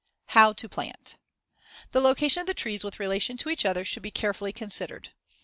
How to plant: The location of the trees with relation to each other should be carefully considered.